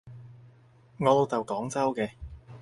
我老豆廣州嘅